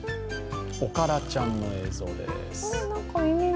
おからちゃんの映像です。